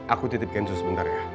aku titip kensu sebentar ya